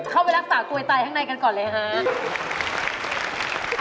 เข้าไปรักษากลวยตายข้างในกันก่อนเลยฮะ